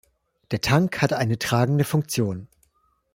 Der Tank hatte eine tragende Funktion.